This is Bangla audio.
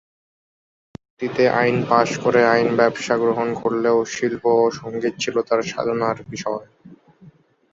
পরবর্তীতে আইন পাশ করে আইন ব্যবসা গ্রহণ করলেও শিল্প ও সঙ্গীত ছিল তার সাধনার বিষয়।